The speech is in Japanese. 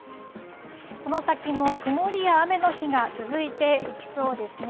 この先も曇りや雨の日が続いていきそうですね。